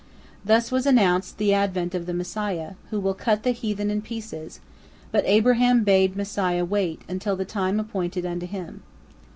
Thus was announced the advent of the Messiah, who will cut the heathen in pieces, but Abraham bade Messiah wait until the time appointed unto him.